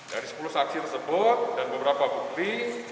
dari sepuluh saksi tersebut dan beberapa bukti